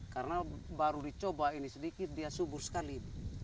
karena baru dicoba ini sedikit dia subur sekali